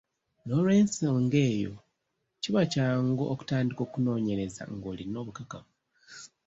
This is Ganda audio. N’olw’ensonga eyo, kiba kyangu okutandika okunoonyereza ng’olina obukakafu.